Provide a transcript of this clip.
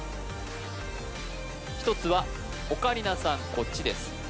１つは「オカリナさんこっちです」